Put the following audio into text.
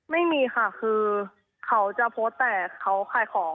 ไม่มีค่ะคือเขาจะโพสต์แต่เขาขายของ